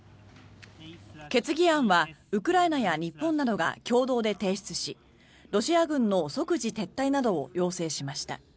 決議案はウクライナや日本などが共同で提出しロシア軍の即時撤退などを要請しました。